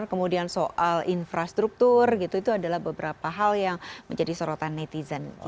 kemudian soal infrastruktur gitu itu adalah beberapa hal yang menjadi sorotan netizen